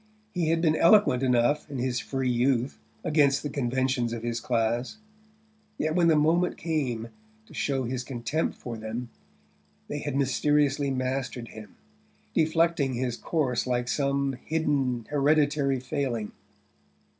He had been eloquent enough, in his free youth, against the conventions of his class; yet when the moment came to show his contempt for them they had mysteriously mastered him, deflecting his course like some hidden hereditary failing.